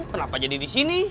kenapa jadi di sini